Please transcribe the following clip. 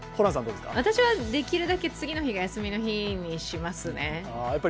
私はできるだけ次の日が休みの日にしますね。